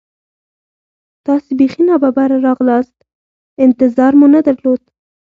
تاسې بیخي نا ببره راغلاست، انتظار مو نه درلود.